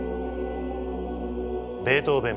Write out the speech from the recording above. ベートーヴェン